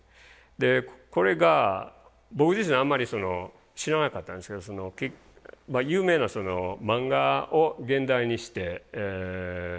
でこれが僕自身あんまり知らなかったんですけど有名な漫画を原題にしてこう実写化するもので。